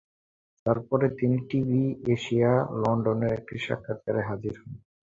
তারপরে তিনি TV Asia, লন্ডনের একটি সাক্ষাৎকারে হাজির হন।